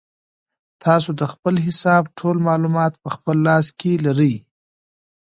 تاسو د خپل حساب ټول معلومات په خپل لاس کې لرئ.